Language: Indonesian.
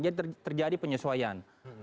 jadi terjadi penyesuaian